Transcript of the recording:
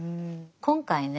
今回ね